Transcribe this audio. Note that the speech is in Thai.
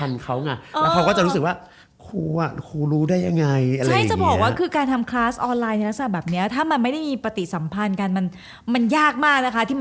แล้วเราจะรู้ทันเขาแต่เขาก็จะต้องรู้ทันเขา